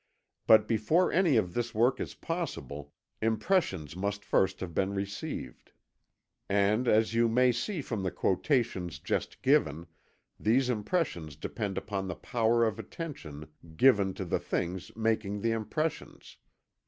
But before any of this work is possible, impressions must first have been received. And, as you may see from the quotations just given, these impressions depend upon the power of attention given to the things making the impressions.